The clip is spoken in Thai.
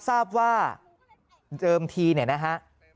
ทราบว่าเดิมทีเนี่ยนะฮะ